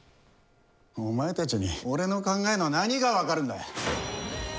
お前たちに俺の考えの何が分かるんだよ。